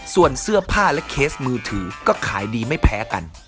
ส่วนเสื้อผ้าและเคสมือถือก็ขายดีไม่แพ้กัน